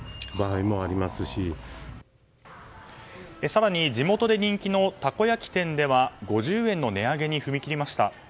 更に地元で人気のたこ焼き店では５０円の値上げに踏み切りました。